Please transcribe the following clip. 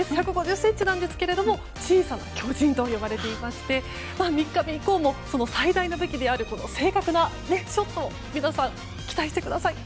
１５０ｃｍですが小さな巨人と呼ばれていまして３日目以降もその最大の武器である正確なショットを皆さん、期待してください。